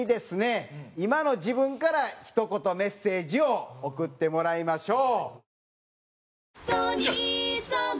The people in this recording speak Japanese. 今の自分からひと言メッセージを送ってもらいましょう。